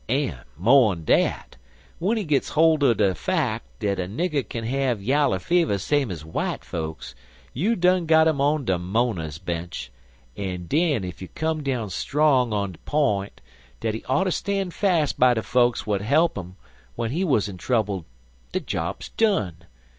An', mo'n dat, w'en he gits holt er de fack dat a nigger k'n have yaller fever same ez w'ite folks, you done got 'im on de mo'ners' bench, an' den ef you come down strong on de p'int dat he oughter stan' fas' by de fokes w'at hope him w'en he wuz in trouble de job's done.